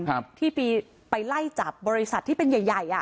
ตัวแทนที่ไปไล่จับบริษัทที่เป็นใหญ่